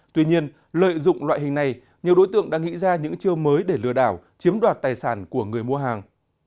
tuy nhiên lợi dụng loại hình này nhiều đối tượng đã nghĩ ra những chiêu mới để lừa đảo chiếm đoạt tài sản của người mua hàng